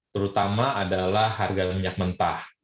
terutama adalah harga minyak mentah